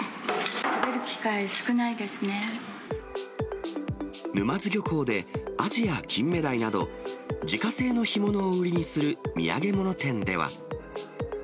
食べる機会、沼津漁港でアジやキンメダイなど、自家製の干物を売りにする土産物店では。